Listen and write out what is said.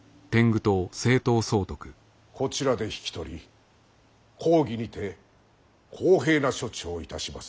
こちらで引き取り公儀にて公平な処置をいたします